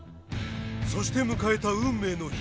そして迎えた運命の日。